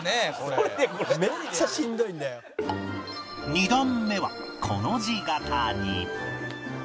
２段目はコの字型に